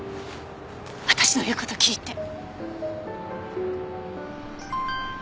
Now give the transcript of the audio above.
私の言う事を聞いて。